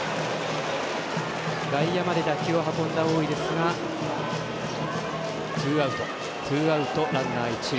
外野まで打球を運んだ大井ですがツーアウト、ランナー、一塁。